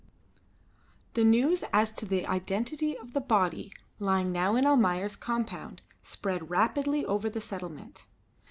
The news as to the identity of the body lying now in Almayer's compound spread rapidly over the settlement.